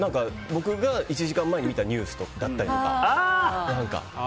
僕が１時間前に見たニュースだったりとか。